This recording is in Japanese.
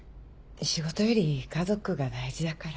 仕事より家族が大事だから。